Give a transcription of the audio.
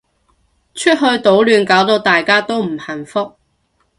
出去搗亂搞到大家都唔幸福